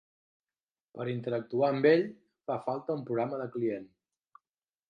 Per interactuar amb ell, fa falta un programa de client.